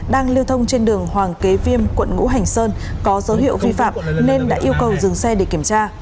đang lưu thông trên đường hoàng kế viêm quận ngũ hành sơn có dấu hiệu vi phạm nên đã yêu cầu dừng xe để kiểm tra